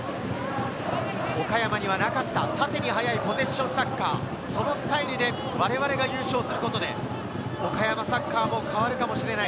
岡山にはなかった縦に速いポゼッションサッカー、そのスタイルで我々が優勝することで、岡山サッカーも変わるかもしれない。